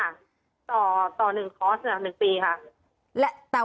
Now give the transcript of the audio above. มันเป็นอาหารของพระราชา